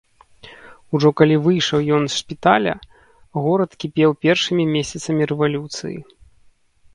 Ужо калі выйшаў ён з шпіталя, горад кіпеў першымі месяцамі рэвалюцыі.